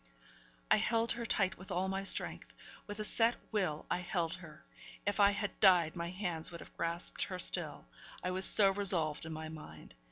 I held her tight with all my strength; with a set will, I held her. If I had died, my hands would have grasped her still, I was so resolved in my mind.